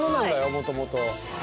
もともと。